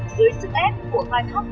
dưới sức ép của khai thấp